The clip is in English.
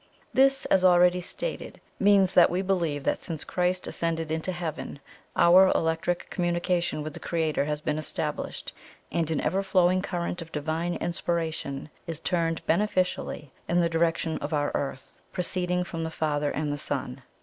This, as already stated, means that we believe that since Christ ascended into Heaven, our electric communication with the Creator has been established, and an ever flowing current of divine inspiration is turned beneficially in the direction of our Earth, 'proceeding from the Father and the Son.'